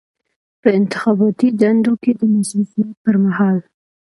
په انتخاباتي دندو کې د مصروفیت پر مهال.